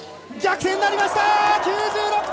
逆転になりました！